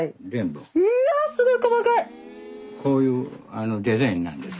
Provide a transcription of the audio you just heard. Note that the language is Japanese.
うわすごいこういうあのデザインなんです。